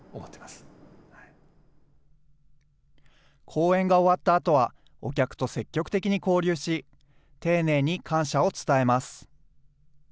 公演が終わったあとは、お客と積極的に交流し、丁寧に感謝を伝えます。